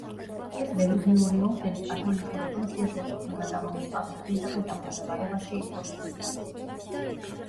ეს რელიგიური ორდენი კათოლიკურ ეკლესიას ეკუთვნოდა და რომის პაპის პირდაპირ დაქვემდებარებაში იყო მისიით.